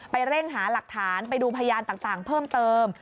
เร่งหาหลักฐานไปดูพยานต่างเพิ่มเติม